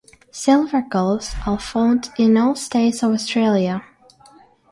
Silver gulls are found in all states of Australia.